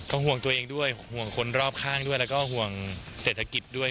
ห่วงตัวเองด้วยห่วงคนรอบข้างด้วยแล้วก็ห่วงเศรษฐกิจด้วย